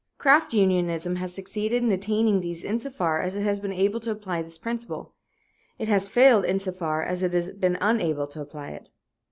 Craft unionism has succeeded in attaining these insofar as it has been able to apply this principle. It has failed insofar as it has been unable to apply it.